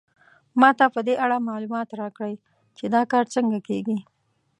ما ته په دې اړه معلومات راکړئ چې دا کار څنګه کیږي